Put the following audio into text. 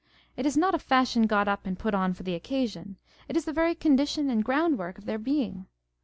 It is not a fashion got up and put on for the occasion ; it is the very condition and groundwork of their being.